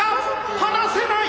離せない！